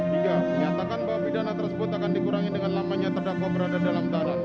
tiga nyatakan bahwa pidana tersebut akan dikurangi dengan lamanya terdakwa berada dalam tanah